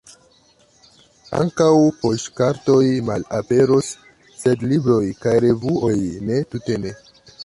Ankaŭ poŝtkartoj malaperos, sed libroj kaj revuoj, ne, tute ne!